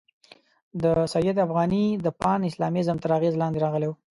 د سید افغاني د پان اسلامیزم تر اغېزې لاندې راغلی وو.